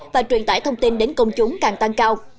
và truyền tải thông tin đến công chúng càng tăng cao